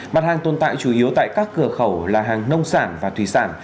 mặt hàng tồn tại chủ yếu tại các cửa khẩu là hàng nông sản và thủy sản